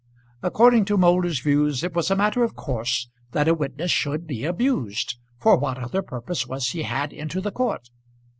According to Moulder's views it was a matter of course that a witness should be abused. For what other purpose was he had into the court?